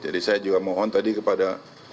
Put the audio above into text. jadi saya juga mohon tadi kepada